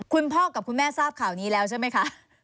คุณพ่อกับคุณแม่ทราบข่าวนี้แล้วใช่ไหมคะ